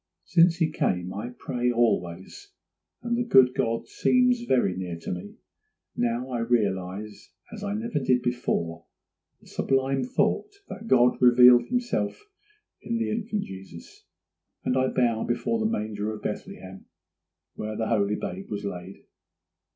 Since he came I pray always, and the good God seems very near to me. Now I realize as I never did before the sublime thought that God revealed himself in the infant Jesus; and I bow before the manger of Bethlehem where the Holy Babe was laid.